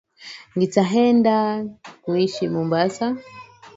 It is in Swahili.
NItaenda kuishi Mombasa